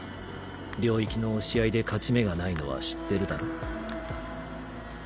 領域の押し合いで勝ち目がないのは知ってるだろ